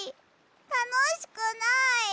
たのしくない！